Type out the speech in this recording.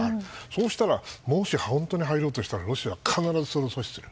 そうしたら、もし本当に入ろうとしたらロシアは必ず、それを阻止する。